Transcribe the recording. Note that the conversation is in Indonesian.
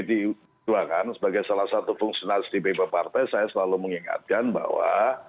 kepada besar pdi perjuangan sebagai salah satu fungsionalistik bipa partai saya selalu mengingatkan bahwa